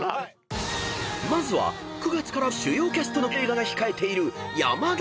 ［まずは９月から主要キャストの映画が控えている］